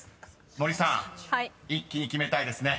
［森さん一気に決めたいですね］